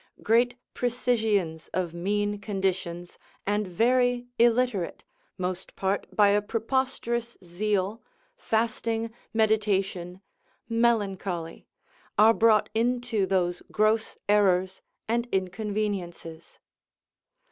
Great precisians of mean conditions and very illiterate, most part by a preposterous zeal, fasting, meditation, melancholy, are brought into those gross errors and inconveniences.